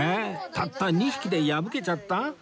たった２匹で破けちゃった？